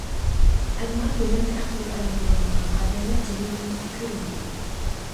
ئەمما بىلىمنى ئەقىلگە ئايلاندۇرالمىغان ئادەملەر جەمئىيىتىمىزدە كۈرمىڭ.